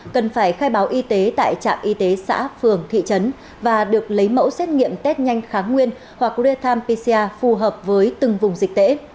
cần phải khai báo y tế tại trạm y tế xã phường thị trấn và được lấy mẫu xét nghiệm test nhanh kháng nguyên hoặc real time pcr phù hợp với từng vùng dịch tễ